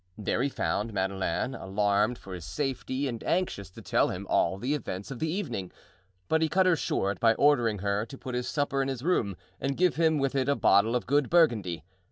There he found Madeleine alarmed for his safety and anxious to tell him all the events of the evening, but he cut her short by ordering her to put his supper in his room and give him with it a bottle of good Burgundy.